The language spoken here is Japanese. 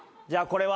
これは？